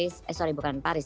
sorry bukan paris